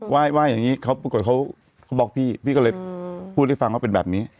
ไหว้อย่างนี้เขาปรากฏเขาบอกพี่พี่ก็เลยพูดให้ฟังว่าเป็นแบบนี้